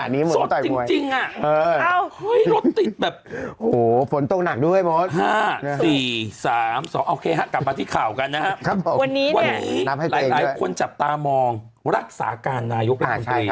มี๕ยี่ห้ออยู่บนหน้าดูเลย